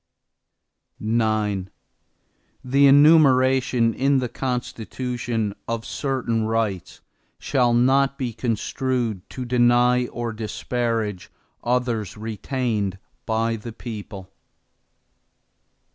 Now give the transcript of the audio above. IX The enumeration in the Constitution, of certain rights, shall not be construed to deny or disparage others retained by the people.